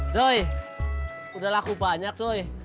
zoi udah laku banyak zoi